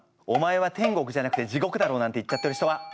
「お前は天国じゃなくて地獄だろ」なんて言っちゃってる人は！